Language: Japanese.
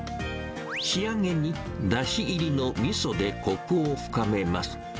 仕上げにだし入りのみそでこくを深めます。